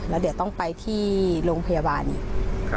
แล้วเดี๋ยวต้องไปที่โรงพยาบาลอีก